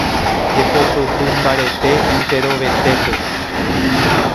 Jepopyhy mbarete enterovetépe.